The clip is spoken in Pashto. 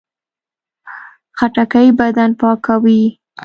خټکی بدن پاکوي.